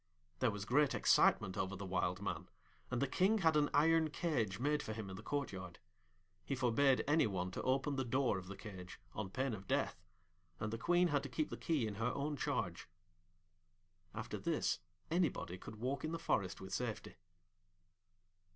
There was great excitement over the Wild Man, and the King had an iron cage made for him in the courtyard. He forbade any one to open the door of the cage on pain of death, and the Queen had to keep the key in her own charge. After this, anybody could walk in the forest with safety.